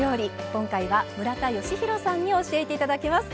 今回は村田吉弘さんに教えて頂きます。